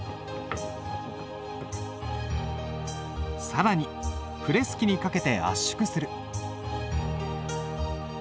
更にプレス機にかけて圧縮する。